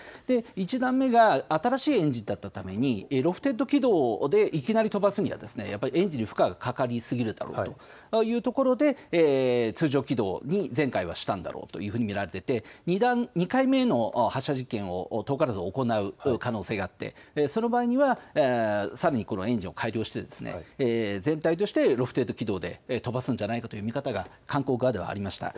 １段目が新しいエンジンだったためにロフテッド軌道でいきなり飛ばすにはエンジンに負荷がかかりすぎるというところで通常軌道に前回はしたんだろうと見られていて２回目の発射実験を遠からず行う可能性があってその場合にはさらにこのエンジンを改良して全体としてロフテッド軌道で飛ばすんじゃないかという見方が韓国側ではありました。